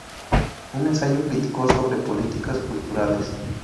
Un ensayo crítico sobre políticas culturales".